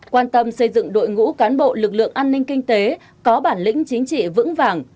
quan tâm xây dựng đội ngũ cán bộ lực lượng an ninh kinh tế có bản lĩnh chính trị vững vàng